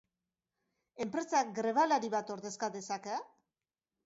Enpresak grebalari bat ordezka dezake?